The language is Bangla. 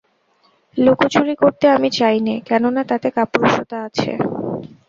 লুকোচুরি করতে আমি চাই নে, কেননা তাতে কাপুরুষতা আছে।